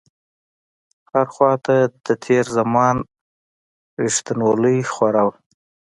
هره خواته د تېر زمان رښتينولۍ خوره وه.